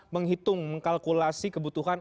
menghitung mengkalkulasi kebutuhan